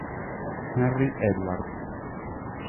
Henry Edwards